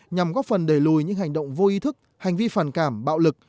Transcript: nhằm góp phần đẩy lùi những hành động vô ý thức hành vi phản cảm bạo lực